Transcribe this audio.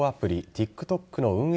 ＴｉｋＴｏｋの運営